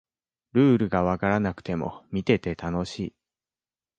ルールがわからなくても見てて楽しい